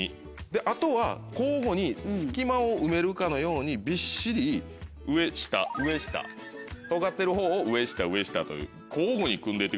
あとは交互に隙間を埋めるかのようにびっしり上下上下とがってるほうを上下上下と交互に組んで行ってください。